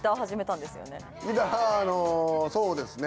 ギターあのそうですね。